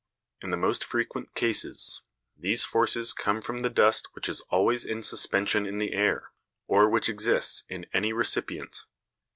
In the most frequent cases, these forces come from the dust which is always in suspension in the air, or which exists in any recipient.